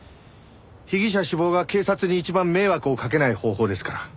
被疑者死亡が警察に一番迷惑をかけない方法ですから。